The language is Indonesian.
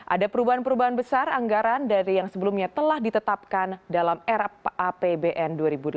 ada perubahan perubahan besar anggaran dari yang sebelumnya telah ditetapkan dalam era apbn dua ribu delapan belas